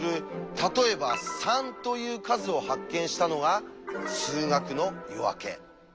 例えば「３」という「数」を発見したのが「数学の夜明け」。